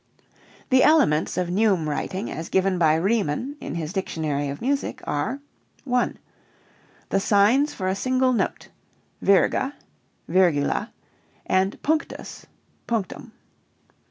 The elements of neume writing as given by Riemann in his Dictionary of Music are: "(1) The signs for a single note: Virga (Virgula) and Punctus (Punctum).